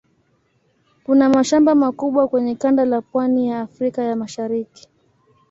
Kuna mashamba makubwa kwenye kanda la pwani ya Afrika ya Mashariki.